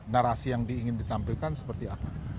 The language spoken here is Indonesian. narasi yang ingin ditampilkan seperti apa